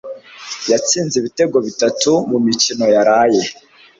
yatsinze ibitego bitatu mumikino yaraye.